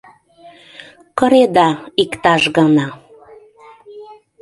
Кыреда иктаж гана.